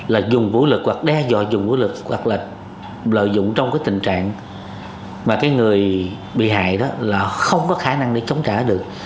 là dùng vũ lực hoặc đe dọa dùng vũ lực hoặc là lợi dụng trong cái tình trạng mà cái người bị hại đó là không có khả năng để chống trả được